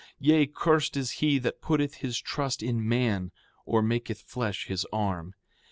Yea, cursed is he that putteth his trust in man or maketh flesh his arm.